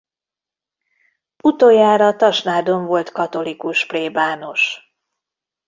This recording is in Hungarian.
Utoljára Tasnádon volt katolikus plébános.